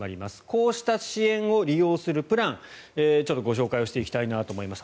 こうした支援を利用するプランちょっとご紹介したいと思います。